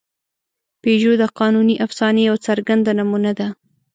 پيژو د قانوني افسانې یوه څرګنده نمونه ده.